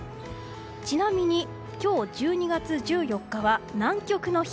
ちなみに今日１２月１４日は南極の日。